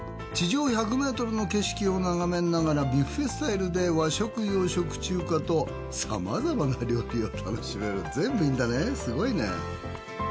地上１００ｍの景色を眺めながらビュッフェスタイルで和食洋食中華とさまざまな料理を楽しめる全部いいんだねすごいね。